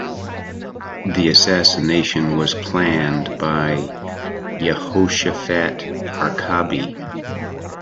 The assassination was planned by Yehoshafat Harkabi.